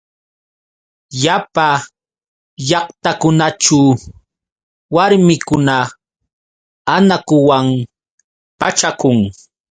Llapa llaqtakunaćhu warmikuna anakuwan pachakun.